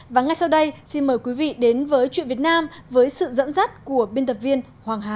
và ngay sau đây xin mời quý vị đến với chuyện việt nam với sự dẫn dắt của biên tập viên hoàng hà